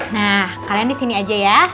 nah kalian di sini aja ya